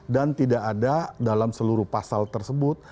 dan tidak ada dalam seluruh pasal tersebut